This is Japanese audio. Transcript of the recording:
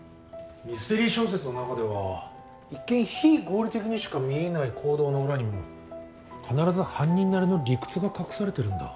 ミステリー小説の中では一見非合理的にしか見えない行動の裏にも必ず犯人なりの理屈が隠されてるんだ。